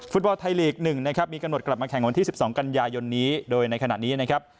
ฟุตบอลไทยลีก๑นะครับมีกำหนดกลับมาแข่งวันที่๑๒กันยายนนี้โดยในขณะนี้นะครับ